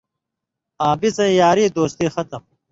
آں بِڅَیں یاری دوستی خَتُم،